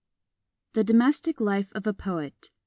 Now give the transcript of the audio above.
THE DOMESTIC LIFE OF A POET.